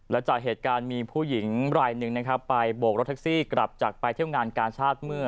และจากเหตุการณ์มีผู้หญิงรายหนึ่งนะครับไปโบกรถแท็กซี่กลับจากไปเที่ยวงานกาชาติเมื่อ